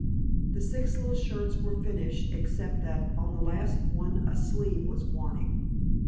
The six little shirts were finished, except that on the last one a sleeve was wanting.